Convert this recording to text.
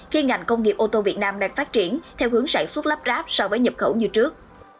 khi ngành công nghiệp ô tô việt nam đang phát triển theo hướng sản xuất lắp ráp so với nhập khẩu như trước